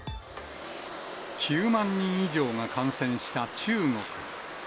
９万人以上が感染した中国。